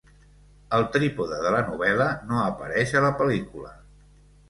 El trípode de la novel·la no apareix a la pel·lícula.